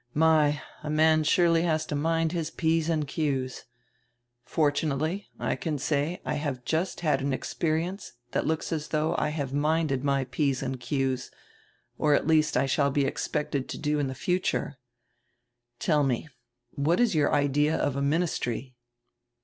My, a man surely has to mind his p's and q's. Fortunately I can say I have just had an experience that looks as though I had minded my p's and q's, or at least I shall be expected to in the future —Tell me, what is your idea of a ministry?"